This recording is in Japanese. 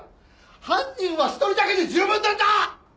犯人は１人だけで十分なんだ！